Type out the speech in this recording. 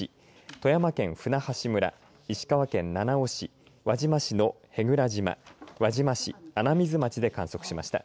富山県舟橋村石川県七尾市、輪島市の舳倉島輪島市、穴水町で観測しました。